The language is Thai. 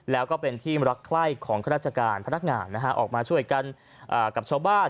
แล้วก็เป็นที่รักไข้ของข้าราชการพนักงานออกมาช่วยกันกับชาวบ้าน